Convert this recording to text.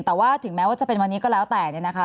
แต่ว่าถึงแม้ว่าจะเป็นวันนี้ก็แล้วแต่เนี่ยนะคะ